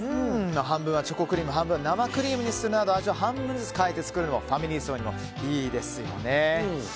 半分はチョコクリーム半分は生クリームにするなど味を半分ずつ変えて作るのもファミリー層にいいですよね。